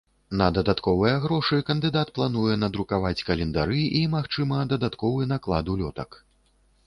На дадатковыя грошы кандыдат плануе надрукаваць календары і, магчыма, дадатковы наклад улётак.